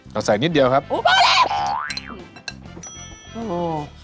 เราใส่นิดเดียวครับโอ้โฮพอแล้ว